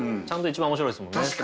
ちゃんと一番面白いですもんね。